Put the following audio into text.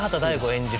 演じる